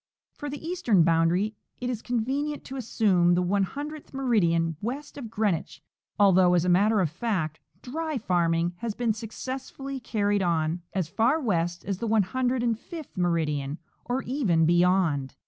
For the eastern boundary it is convenient to assume the one hundredth meridian west of Greenwich, although, as a matter of fact, " dry" farming has been. successfully carried on as far west as the one hundred and fifth meridian or even beyond.